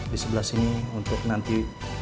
di sebelah sini untuk nanti